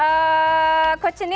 terima kasih banyak banyak